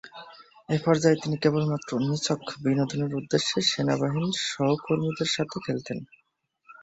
এ পর্যায়ে তিনি কেবলমাত্র নিছক বিনোদনের উদ্দেশ্যে সেনাবাহিনীর সহকর্মীদের সাথে খেলতেন।